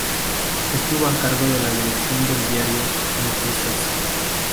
Estuvo a cargo de la dirección del diario "Noticias".